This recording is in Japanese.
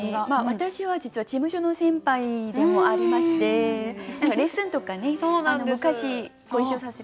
私は実は事務所の先輩でもありましてレッスンとかね昔ご一緒させて頂いたりとかしてました。